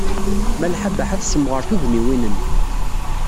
Malḥa Baḥa tessemɣer tugniwin-nni.